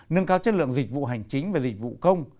nâng cao chất lượng dịch vụ hành chính về dịch vụ công